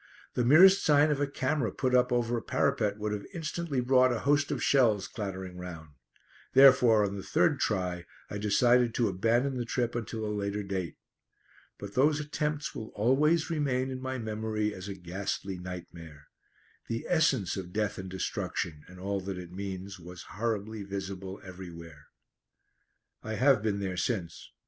The merest sign of a camera put up over a parapet would have instantly brought a host of shells clattering round; therefore, on the third try, I decided to abandon the trip until a later date. But those attempts will always remain in my memory as a ghastly nightmare. The essence of death and destruction, and all that it means, was horribly visible everywhere. I have been there since.